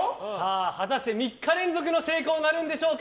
果たして３日連続の成功なるんでしょうか。